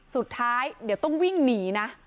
สุดท้ายเดี๋ยวต้องวิ่งหนีนะ